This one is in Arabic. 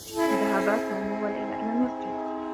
ذهبا سامي و ليلى إلى المسجد.